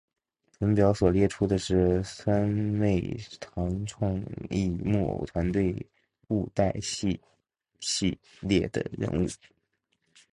本表所列出的是三昧堂创意木偶团队布袋戏系列的人物。